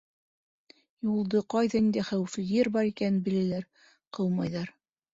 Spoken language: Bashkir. Юлды, ҡайҙа ниндәй хәүефле ер бар икәнен беләләр, ҡыумайҙар.